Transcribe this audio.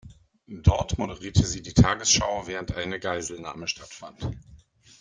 Dort moderierte sie die Tagesschau, während eine Geiselnahme stattfand.